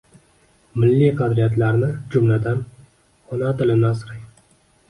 Milliy qadriyatlarni, jumladan, ona tilini asrang.